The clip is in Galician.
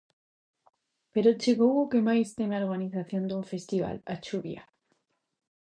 Pero chegou o que máis teme a organización dun festival: a chuvia.